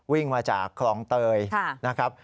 วิ่งมาจากคลองเตยนะครับ